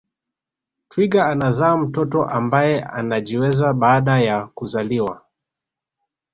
Twiga anazaa mtoto ambaye anajiweza baada ya kuzaliwa